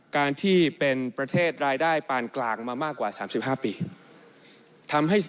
การที่เป็นประเทศรายได้ปานกลางมามากกว่า๓๕ปีทำให้